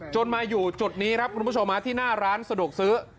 มาอยู่จุดนี้ครับคุณผู้ชมที่หน้าร้านสะดวกซื้อ